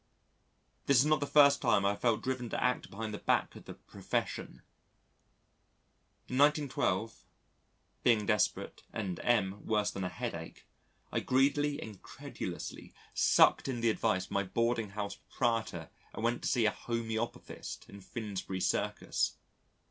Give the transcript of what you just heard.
This is not the first time I have felt driven to act behind the back of the Profession. In 1912, being desperate, and M worse than a headache, I greedily and credulously sucked in the advice of my boarding house proprietor and went to see a homœopathist in Finsbury Circus.